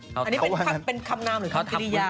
นี้เป็นคำนามหรือคำเกรี่ย